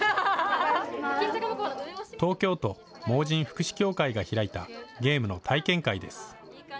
東京都盲人福祉協会が開いたゲームの体験会です。